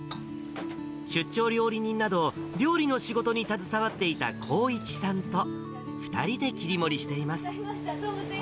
出張料理人など、料理の仕事に携わっていた孝一さんと、２人で切り盛りしています。